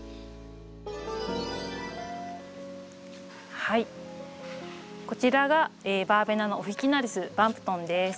はいこちらがバーベナのオフィキナリスバンプトンです。